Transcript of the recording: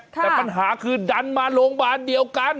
แต่ปัญหาคือดันมาโรงพยาบาลเดียวกัน